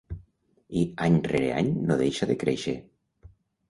I any rere any no deixa de créixer.